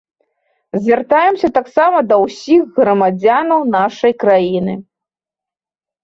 Звяртаемся таксама да ўсіх грамадзянаў нашай краіны.